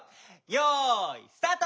よいスタート！